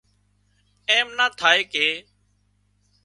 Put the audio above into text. ايم نا ٿائي ڪي